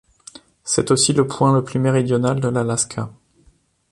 C'est aussi le point le plus méridional de l'Alaska.